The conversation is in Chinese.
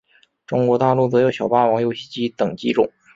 中国大陆则有小霸王游戏机等机种。